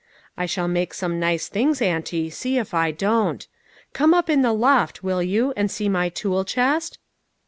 I shall make some nice things, auntie, see if I don't. Come up in the loft, will you, and see my tool chest